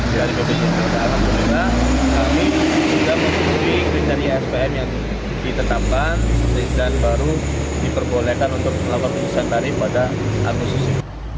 jadi bgc akan memenuhi spm yang ditetapkan dan baru diperbolehkan untuk penyusuan tarif pada akuasisi